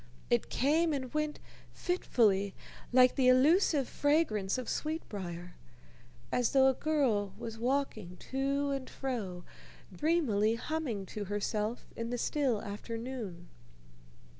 It came and went fitfully, like the elusive fragrance of sweetbrier as though a girl was walking to and fro, dreamily humming to herself in the still afternoon.